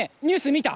「見た」。